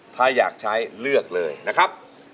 ถ้าอยากใช้เลือกเลยนะครับ